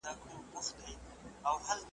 په سل گونو ستا په شان هلته نور خره دي ,